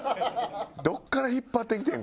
どこから引っ張ってきてん？